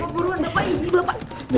apa buruan bapak ini bapak